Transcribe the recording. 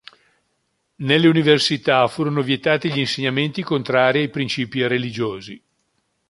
Nelle Università furono vietati gli insegnamenti contrari ai principi religiosi.